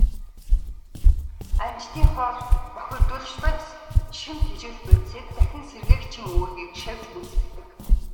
Амьтдын хоол, бохирдуулагч бодис, шим тэжээлт бодисыг дахин сэргээгчийн үүргийг шавж гүйцэтгэдэг.